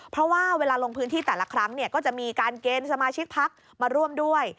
เพราะว่าเวลาลงพื้นที่แต่ละครั้งก็จะมีการเกณฑ์สมาชิกพักมาร่วมด้วย